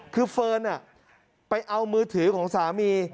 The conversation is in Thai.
คือเฟิร์นไปเอามือถือของสามี